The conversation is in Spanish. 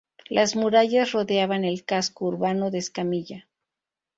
Las murallas rodeaban el casco urbano de Escamilla.